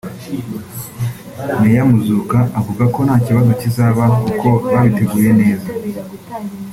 Meya Muzuka avuga ko nta kibazo kizaba kuko babiteguye neza